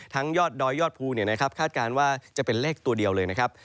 ทั้งยอดดอยยอดภูมิเนี่ยนะครับคาดการณ์ว่าจะเป็นเลขตัวเดียวเลยนะครับ